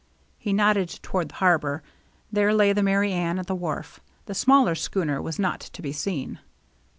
He nodded toward the harbor. There lay the Merry Anne at the wharf. The smaller schooner was not to be seen.